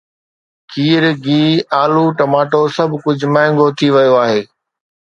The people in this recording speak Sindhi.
کير، گيهه، الو، ٽماٽو، سڀ ڪجهه مهانگو ٿي ويو آهي